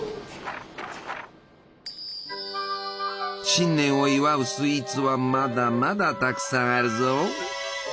新年を祝うスイーツはまだまだたくさんあるぞ。